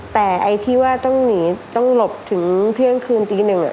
แต่ไอ้ที่ว่าต้องหนีต้องหลบถึงเที่ยงคืนตีหนึ่ง